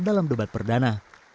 dalam debat perdana